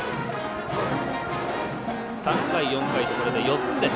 ３回、４回と、これで４つです。